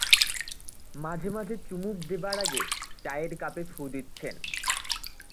মাঝে-মাঝে চুমুক দেবার আগে চায়ের কাপে ফুঁ দিচ্ছেন।